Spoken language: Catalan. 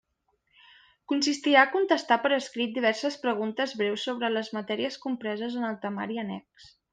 Consistirà a contestar per escrit diverses preguntes breus sobre les matèries compreses en el temari annex.